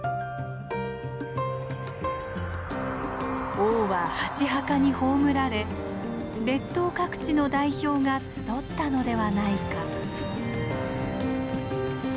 王は箸墓に葬られ列島各地の代表が集ったのではないか。